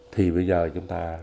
thì bây giờ chúng ta sẽ tăng cây